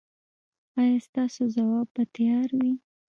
ایا ستاسو ځواب به تیار وي؟